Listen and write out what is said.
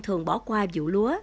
thường bỏ qua vụ lúa